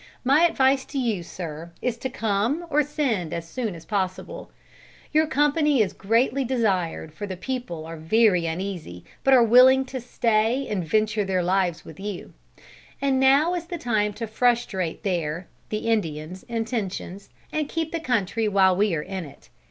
My advice to you, sir, is to come or send as soon as possible. Your company is desired greatly, for the people are very uneasy, but are willing to stay and venture their lives with you. And now is the time to frustrate their (the Indians) intentions, and keep the country while we are in it.